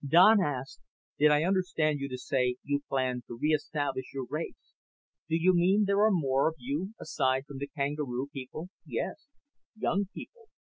Don asked, "Did I understand you to say you plan to re establish your race? Do you mean there are more of you, aside from the kangaroo people?" "Oh, yes. Young people.